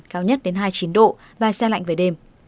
cao nhất đến hai mươi chín độ và xe lạnh về đêm